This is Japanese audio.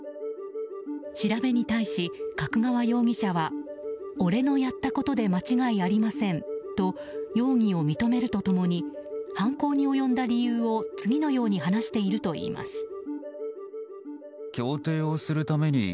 調べに対し、角川容疑者は俺のやったことで間違いありませんと容疑を認めると共に犯行に及んだ理由を次のように話しているといいます。